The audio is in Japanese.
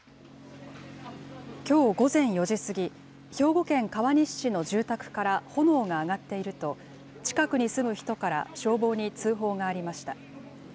きょう午前４時過ぎ、兵庫県川西市の住宅から炎が上がっていると近くに住む人から消防に通報がありました。